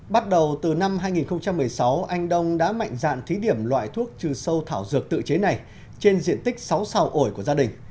bắt đầu từ năm hai nghìn một mươi sáu anh đông đã mạnh dạn thí điểm loại thuốc trừ sâu thảo dược tự chế này trên diện tích sáu sao ổi của gia đình